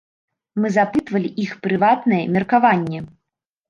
Мы запытвалі іх прыватнае меркаванне.